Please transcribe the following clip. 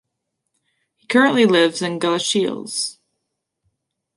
He currently lives in Galashiels.